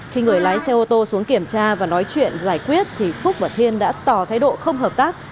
khi người lái xe ô tô xuống kiểm tra và nói chuyện giải quyết thì phúc và thiên đã tỏ thái độ không hợp tác